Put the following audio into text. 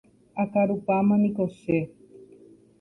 akarupámaniko che.